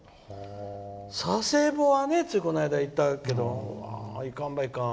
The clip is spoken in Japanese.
佐世保はついこの間行ったけど行かんばいかん。